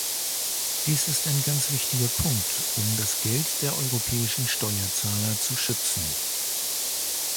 Dies ist ein ganz wichtiger Punkt, um das Geld der europäischen Steuerzahler zu schützen.